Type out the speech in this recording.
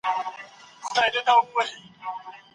مثبت خلګ مو ملګري کړئ.